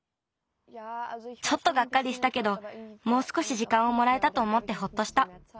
ちょっとがっかりしたけどもうすこしじかんをもらえたとおもってほっとした。